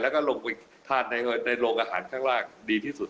แล้วก็ลงไปทานในโรงอาหารข้างล่างดีที่สุด